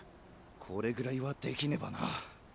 これくらいはできねばな。